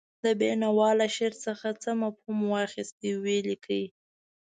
د بېنوا له شعر څخه څه مفهوم واخیست ولیکئ.